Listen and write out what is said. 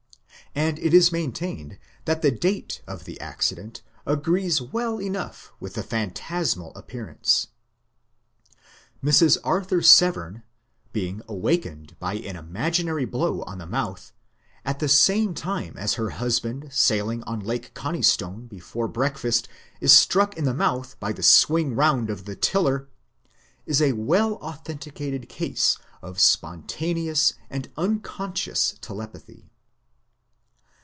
And it is maintained that the date of the accident agrees well enough with the phantasmal appearance. Mrs. Arthur Severn being awakened by an imaginary blow on the mouth, at the same time as her husband sailing on Lake Coniston before breakfast is struck in the mouth by the swing round of the tiller, is a well authenticated case of spontaneous and unconscious telepathy.